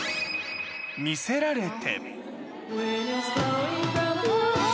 魅せられて。